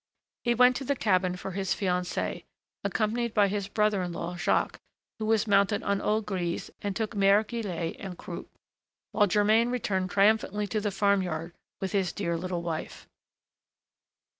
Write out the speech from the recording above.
He went to the cabin for his fiancée, accompanied by his brother in law Jacques, who was mounted on old Grise and took Mère Guillette en croupe, while Germain returned triumphantly to the farm yard with his dear little wife.